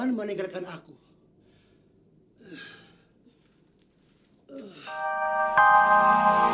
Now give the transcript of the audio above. jangan meng decipkan sebriy tryana